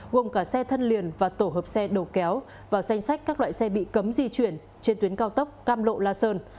gồm cả xe thân liền và tổ hợp xe đầu kéo vào danh sách các loại xe bị cấm di chuyển trên tuyến cao tốc cam lộ la sơn